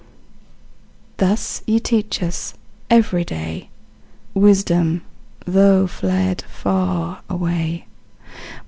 Thus ye teach us, every day, Wisdom, though fled far away.